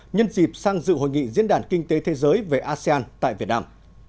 nhân dịp sang dự hội nghị diễn đàn kinh tế thế giới về asean tại việt nam